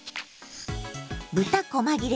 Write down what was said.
豚こま切れ